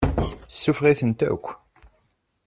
Suffeɣ-itent akk.